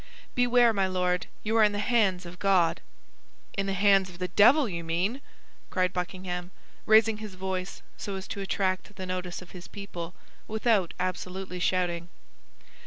"Beware, my Lord, you are in the hands of God!" "In the hands of the devil, you mean!" cried Buckingham, raising his voice so as to attract the notice of his people, without absolutely shouting.